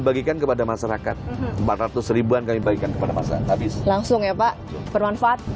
bagikan kepada masyarakat empat ratus ribuan kami bagikan kepada masyarakat langsung ya pak bermanfaat